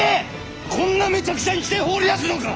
こんなめちゃくちゃにして放り出すのか！